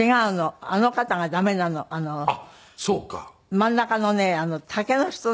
真ん中のね竹の人ね。